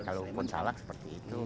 kalau pun salak seperti itu